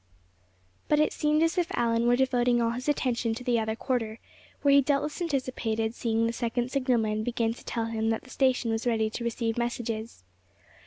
But it seemed as if Allan were devoting all his attention to the other quarter, where he doubtless anticipated seeing the second signalman begin to tell him that the station was ready to receive messages.